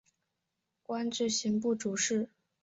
官至刑部主事。